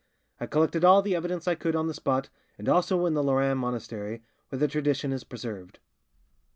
I collected all the evidence I could on the spot, and also in the Lerins monastery, where the tradition is preserved.